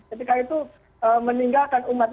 ketika itu meninggalkan umat